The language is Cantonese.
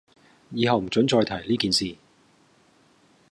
以後唔准再提呢件事